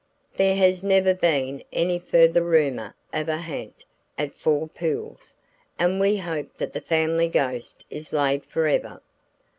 There has never been any further rumor of a ha'nt at Four Pools, and we hope that the family ghost is laid forever.